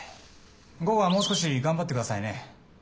午後はもう少し頑張って下さいね。